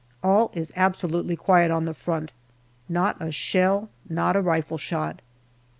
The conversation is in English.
All is absolutely quiet on the front not a shell, not a rifle shot.